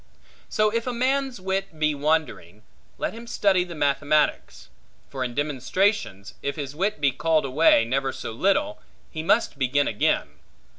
So if a man's wit be wandering, let him study the mathematics; for in demonstrations, if his wit be called away never so little, he must begin again.